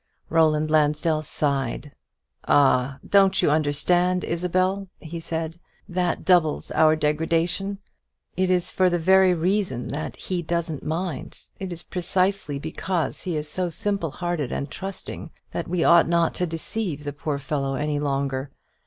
Roland Lansdell sighed. "Ah, don't you understand, Isabel," he said, "that doubles our degradation? It is for the very reason that he 'doesn't mind,' it is precisely because he is so simple hearted and trusting, that we ought not to deceive the poor fellow any longer.